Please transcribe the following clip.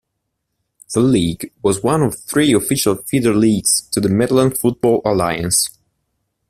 The league was one of three official feeder leagues to the Midland Football Alliance.